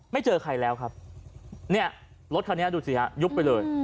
เจอใครแล้วครับเนี่ยรถคันนี้ดูสิฮะยุบไปเลย